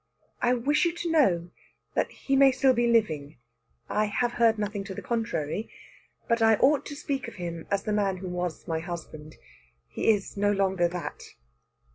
"I wish you to know that he may be still living. I have heard nothing to the contrary. But I ought to speak of him as the man who was my husband. He is no longer that."